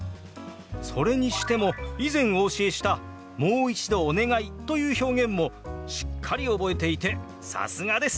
それにしても以前お教えした「もう一度お願い」という表現もしっかり覚えていてさすがです！